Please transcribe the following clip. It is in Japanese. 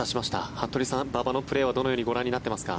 服部さん、馬場のプレーはどのようにご覧になっていますか？